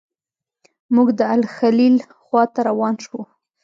موږ د الخلیل خواته روان شوو.